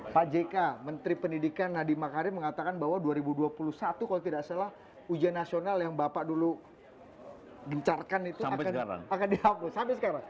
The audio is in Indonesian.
pak jk menteri pendidikan nadiem makarim mengatakan bahwa dua ribu dua puluh satu kalau tidak salah ujian nasional yang bapak dulu gencarkan itu akan dihapus sampai sekarang